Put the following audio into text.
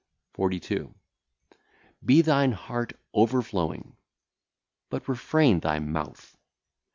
42. Be thine heart overflowing; but refrain thy mouth.